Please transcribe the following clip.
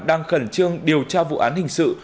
đang khẩn trương điều tra vụ án hình sự